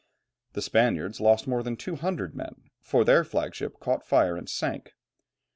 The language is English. The Spaniards lost more than 200 men, for their flag ship caught fire and sank.